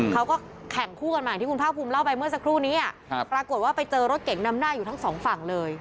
เขาก็แข่งคู่กันมาอย่างที่คุณภาคภูมิเล่าไปเมื่อสักครู่นี้ปรากฏว่าไปเจอรถเก่งนำหน้าอยู่ทั้งสองฝั่งเลย